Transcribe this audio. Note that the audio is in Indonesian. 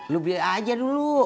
lu beli aja dulu